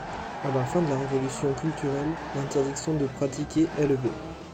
À la fin de la Révolution culturelle, l'interdiction de pratiquer est levée.